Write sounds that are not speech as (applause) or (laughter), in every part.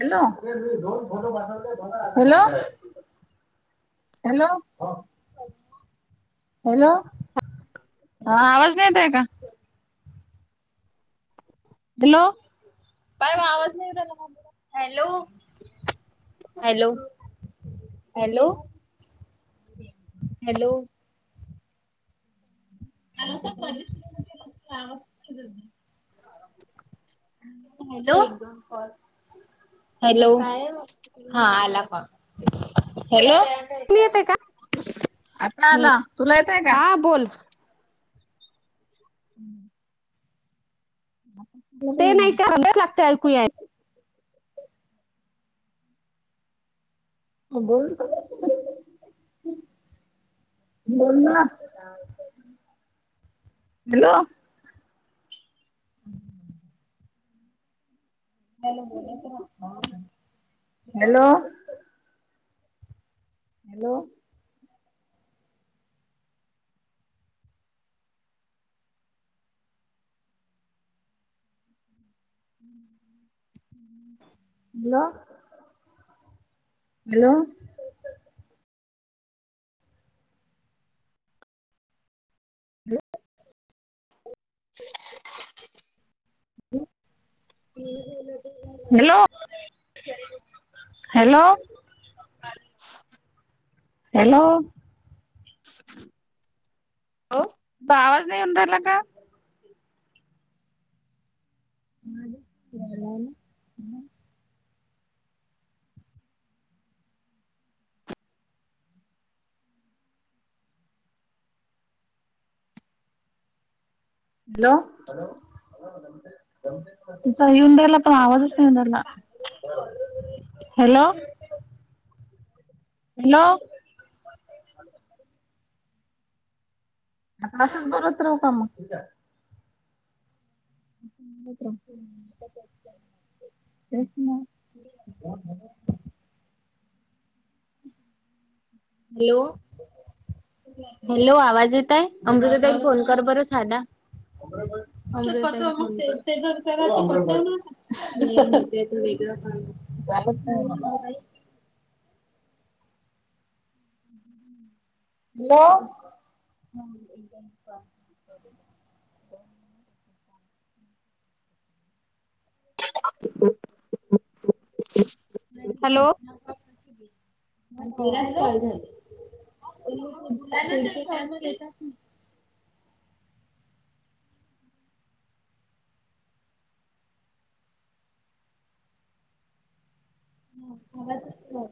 Hello (unintelligible) hello hello (unintelligible) hello हा आवाज नाही येत ये का हॅलो बाय मग आवाज नाही येऊ राहिला hello hello hello hello (unintelligible) (inaudible) (unintelligible) hello (unintelligible) (inaudible) hello हा आला कॉल हॅलो आता ऐकू येतोय येते आवाज... का आता आला तुला येतोय का हा बोल हम्म. ह ते नाही का अभ्यास लागतो ऐकू याय. हो बोल बोल ना. Hello (unintelligible) hello hello hello hello hello (inaudible) hello hello (inaudible) hello ओ तुमचा आवाज नाही येऊ राहिला का? (unintelligible) हॅलो (unintelligible) तिचं येऊन राहिला पण आवाजच नाही येऊ राहिला. हॅलो हॅलो आता असंच बोलत राहू का मग. (unintelligible) तेच ना (unintelligible) हॅलो हॅलो आवाज येतोय अमृता ताई फोन कर बर साधा. (unintelligible) अमृता ताई (unintelligible) कोण अमृता ताई (inaudible) (unintelligible) हॅलो (unintelligible) (inaudible) हॅलो (unintelligible) चालू झालं. (unintelligible) हम आवाजच यीई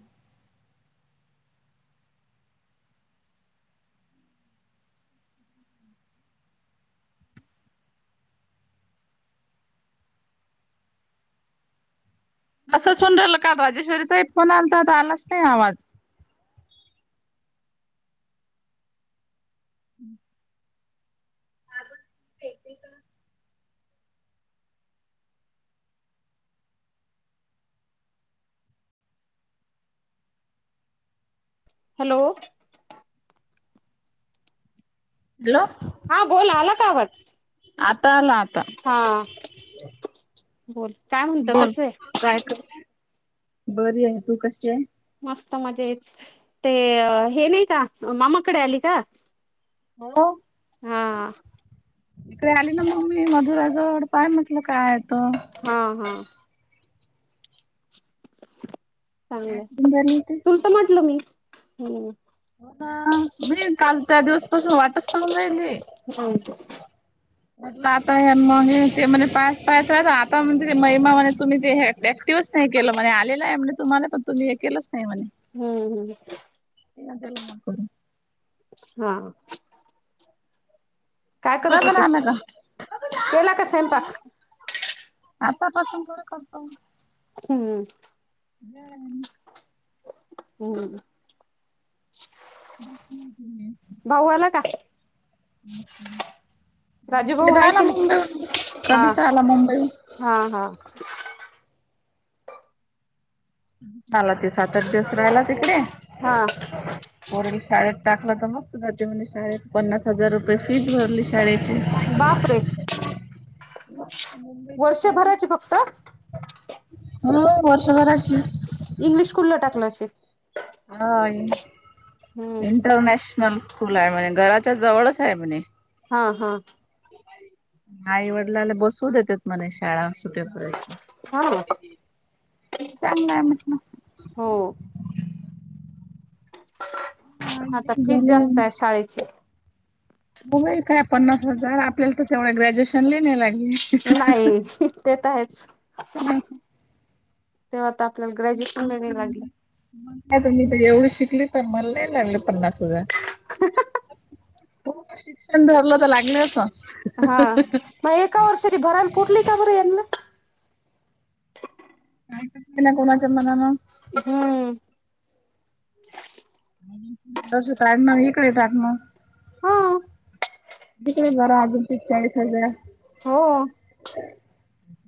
तसं सुंडलं का राजेश्वरीचा फोन आलता आलाच नाही आवाज. हम्म हॅलो हॅलो हा बोल आला कावाज? आता आला. आता हा बोल. काय म्हणतं बोल कसं आहे काय कर बरी आहे तू कशी आहे? मस्त मजा येत ते हे नाही का मामाकडे आली का? हो हा इकडे आली ना मम्मी मधुराजवळ. काय म्हटलं काय. काय हा हा. चांगलं करून राहिली होती? तुल तर म्हटल मी हम्म. हो मी काल त्या दिवस पासून वाटच पाहून राहिली हात म्हटलं आता म ते म्ह पा पा रा आता म्हण महिमा म्ह तुम्ही ते दिवस नाही केलं म्हणे आलेला आहे तुम्हाला पण तुम्ही हे केलंच नाही म्हणे हम्म हम्म तेला माकड हा काय तुला करूत पण ते आला का? केला का स्वयंपाक? आतापासून थोड करतो. हम्म, (unintelligible) हम्म. बघ की. भाऊ आला का? राजू भाऊ हम्म. आहे आला की नाही मुंबई हा कधीच आला मुंबई हा हा मला ते सात आठ दिवस राहिला तिकडे हा. शाळेत टाकलं तर मग सुधरतेम्हणे शाळेत पन्नास हजार रुपये फीस भरली शाळेची बापरे वर्षभराची फक्त हो वर्षभराची इंग्लिश स्कुल टाकलं असे? हा इंटरनॅशनल स्कूल आहे म्हणे घरात जवळच आहे म्हणे हा हा. आई वडिलाला बसवू देतेत म्हणे शाळा हा सुटेपर्यंत चांगलं आहे म्हटलं हो. आता फी जास्त आहे शाळेचे होय काय पन्नास हजार आपल्याला तर तेवढं ग्रॅज्युएशनलाही नाही लागले नाही इ ते तर आहेच तेव्हा आ आपल्याला ग्रॅज्युएशन मि लागलं नाही तर मी तर एवढी शिकली तर मला नाही लागले पन्नास हजार खूप शिक्षण धरलं तर लागले हा मग एका वर्षाची भरायला पुटली का बर याना कोणाच मन ना हम्म. इकडंच काढणार इकडे टाकणार हा इकडे भरा अजून तीस चाळीस हजार हो.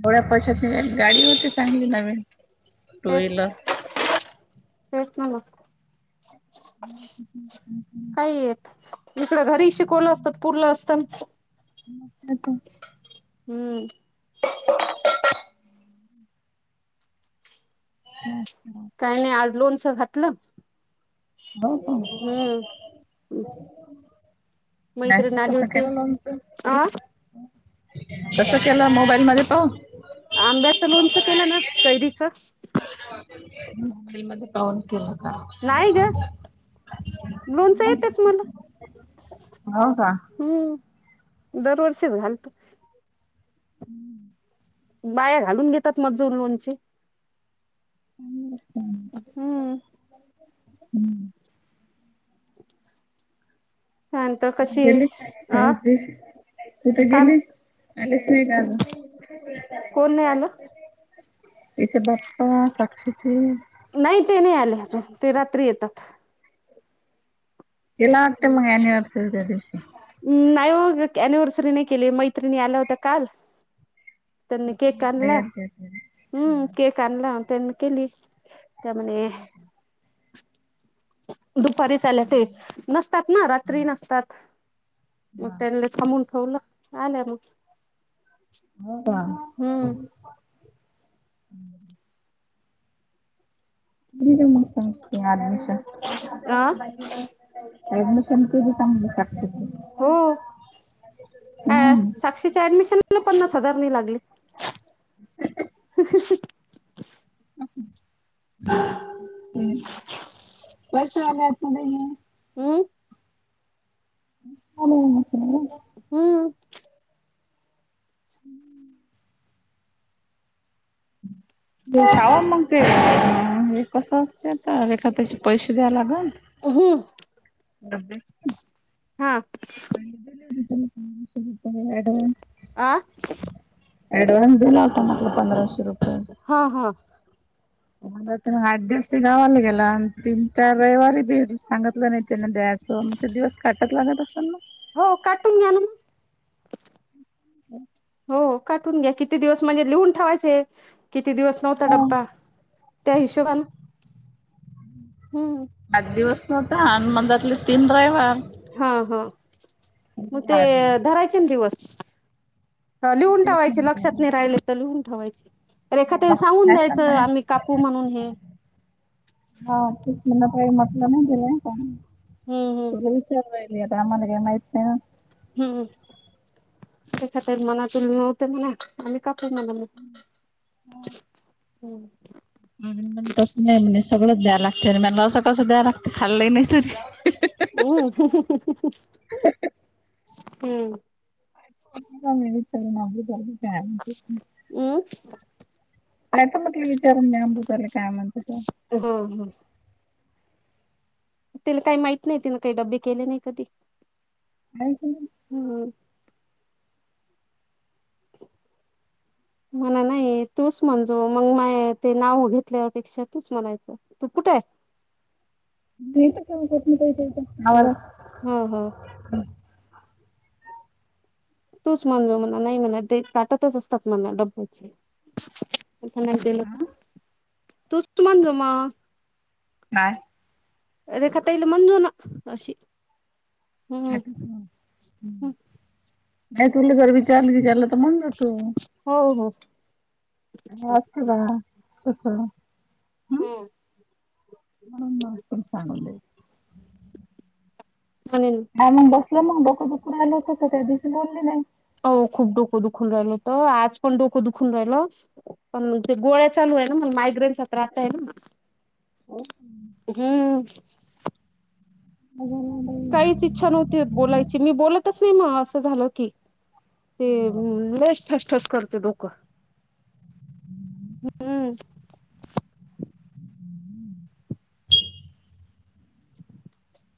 थोड्या पैसात गाडी होती चांगली नवीन टू तेच व्हीलर तेच ना हम्म् हम् काही येत इकडं घरी शिकवलं असतात पुरलं असतना मग काय तर हम्म. हम्म. काही नाही आज लोणच घातलं हो का हम्म अस मैत्रिण आली कस होती केरालात अ कस केलं मोबाईल मध्ये प आंब्याचं लोणचं केलं ना कैरीचं मध्ये पाऊन केला नाही ग लोनच येतच मला हो का हम्म दरवर्षीच घालतो (inaudible) बाया घालून घेतात मजूर लोनचे हम्म. हम्म. (inaudible) कशी हेणे अ (unintelligible) तिथ काम गेली आलेच नाही का कोण नाही आलं तिचे बाप्पा साक्षीची नाही ते नाही आले अजून ते रात्री येतात ह्यला आत मग अनिवर्सरी दिवशी म नाही हो अनिव्हर्सरी नाही केली मैत्रिणी आल्या होत्या काल त्यांनी केक आणला हम्म केक आणला त्यांनी केली त्यामुळे ह दुपारीच आल्या ते नसतात ना रात्री नसतात मग त्यानले थांबून होलं आल्या मग हो का हम्म (inaudible) ब मुतते आमष अ अऍडमिशन केली सांग हो अ हम्म साक्षीच्या ऍडमिशन मला पन्नास हजार नि लागले हह ह (unintelligible) हम हो हम्म (inaudible) (inaudible) खवा मग ते हे कसं असते आता एखाद्याचे पैसे द्याय लागल हो अ (unintelligible) आं अ‍ॅडव्हान्स दिला होता ना पंधराशे रुपये हा हा (unintelligible) गावाला गेला तीन चार रविवारी (unintelligible) त्या म्हे दिवस काटत लागत असेल ना हो काटून घ्या ना मग हो काटून घ्या किती दिवस म्हणजे लिहून ठेवायचे किती दिवस नव्हता मग डब्बा त्या हिशोबाला पाच दिवस नव्हता आण मणजातले तीन ड्राइव्ह हा हा म्हणजे मग ते दहा दिवस. धरायचे न दिवस अ हा लिहून तेच ठेवायच म्हणते लक्षात मी. नाही राहिले तर लिहून ठेवायच. रेखाताईला सांगून काय द्यायचं करणार? आम्ही कापू म्हणून हे. (inaudible) हा तेच म्हणलं काही म्हटलं नाही गेलंय का हम्म तुला विचार राय ले आता आम्हाला काय माहित नाही होय. हम (inaudible) ते खातात मनाची म्हणा आमी का तेच म्हटल मग (inaudible) हम सगळं द्याय लागतंय म्हणाव तस द्याय लागतंय खाल्लंही नाही तर हम (inaudible) ह. काय (unintelligible) आता म्हटलं विचारून न्याव म्हटल त्याला काय म्हणत ते. हम्म तिला काय माहित नाही तिने काय डब्बे केले नाही कधी नाही त हम्म (unintelligible) मला नाही तूसं म्हणजो मग मा ते नाव घेतल्यापेक्षा तूच (unintelligible) नाही ह तर ह ह आवार (unintelligible) तूच म्हणजो म्हला नाही म्हणा ते ताटतच असतात म्हला डबब्याचे हा मता तूमान जमा बाय रेखा ताईला म्हण जोना अशी (inaudible) हाठ (inaudible) हम्म. नाही तुला (unintelligible) चाल की चालं तर म्हणल तू हो हो (unintelligible) बा कसाला हम् (inaudible) म्हणून ना आपण चांगले. म्हणेन हा मग बसल मग डोक दुखून राहील होत त्या दिवशी का गेलास? हो खूप डोकं दुखून राहिल होतं आज पण डोकं दुखून राहिलं पण ते गोळ्या चालू आहेना मायग्रेन पत्राच आहे ना (inaudible) हम्म. काहीच इच्छा नव्हती बोलायची मी बोलतच नाही म असं झालं की ते लईच ठस ठस करते डोकं. हम्म (inaudible) (inaudible)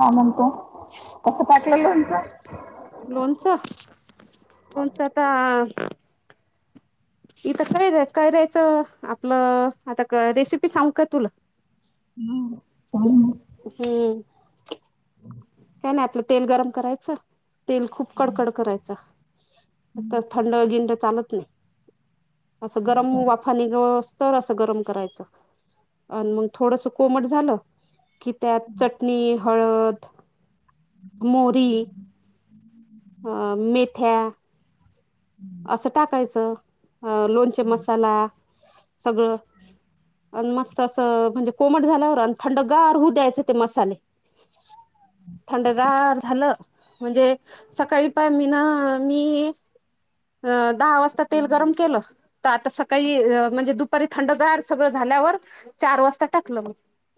का म्हणतो कस (unintelligible) लोणच. लोणचं, लोणचं अता इथं कैर्‍या-कैर्‍याच आपलं आता क रेसिपी सांगू काय तुला. (inaudible) हम्म. काय नाय आपलं तेल गरम करायचं तेल खूप कडकड करायच थंड-बिंड चालत नाही. असं गरम वाफा निघोस्तोवर असं गरम करायचं आणि मग थोडस कोमट झा झालं की त्यात चटणी, हळद मोहरी अ मेथ्या असं टाकायचं अ लोणचे मसाला सगळं आणि मस्त असं म्हणजे कोमट झाल्यावर आणि थंड गार होऊ द्यायचं ते मसाले. (inaudible) थंडगार झालं म्हणजे सकाळी पाय मी ना मी अ दहा वाजता तेल गरम केलं. तर आता सकाळी म्हणजे दुपारी थंडगार सगळं झाल्यावर चार वाजता टाकलं म.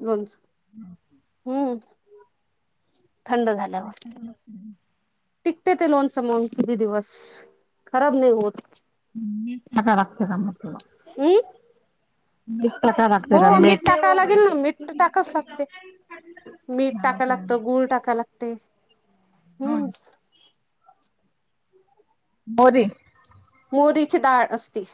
लोणच (inaudible) हम् (inaudible) थंड झाल्यावर. टिकते ते लोणचं मंग किती दिवस खराब नाही होत. ह् आता लागत्याता मसाला हम्म. टाकावं हो लागते का मीठ टाकावं लागेल ना मीठ तर टाकावच लागते. मीठ हा टाकाय का? लागतं गुळ टाकाय लागते हम्म मोर मोरीचे दाळ असती